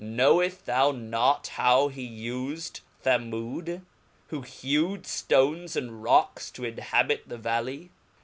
Knoweft thou not how he ufed Temcd, who hewed llones and rocks to inhabit the Valley